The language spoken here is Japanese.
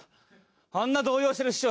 あんな動揺してる師匠